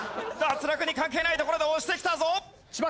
脱落に関係ないところで押してきたぞ。